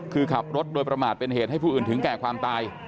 คือขับรถโดยประมาทเป็นเหตุให้ผู้อื่นถึงแก่ความตาย